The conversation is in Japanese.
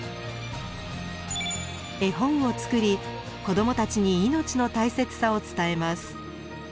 絵本を作り子どもたちに命の大切さを伝えます。